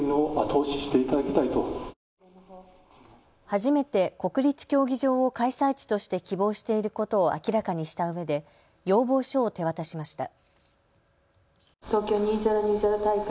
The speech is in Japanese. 初めて国立競技場を開催地として希望していることを明らかにしたうえで要望書を手渡しました。